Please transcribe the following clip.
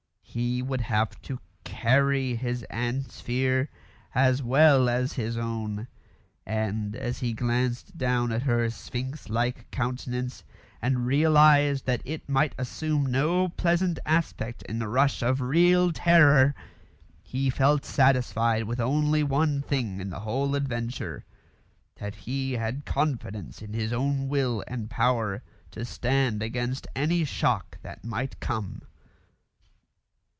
He would have to carry his aunt's fear as well as his own. And, as he glanced down at her sphinx like countenance and realised that it might assume no pleasant aspect in a rush of real terror, he felt satisfied with only one thing in the whole adventure that he had confidence in his own will and power to stand against any shock that might come.